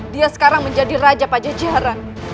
dia sekarang menjadi raja pajajaran